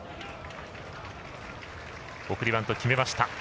送りバント決めました。